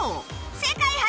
世界初！